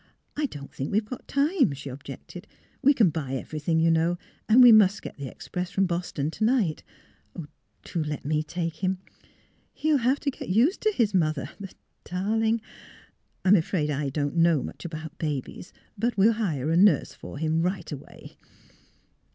" I don't think we have time," she objected. THE LORD GAVE 351 We can buy everything, you know ; and we must get the express from Boston to night. Do let me take him ! He '11 have to get used to his mother — the darling! I'm afraid I don't know much about babies; but we'll hire a nurse for him right away.